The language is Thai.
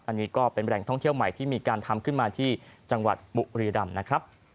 อันนี้ก็เป็นแหล่งท่องเที่ยวใหม่ที่มีการทำขึ้นมาที่จังหวัดบุรีรำนะครับ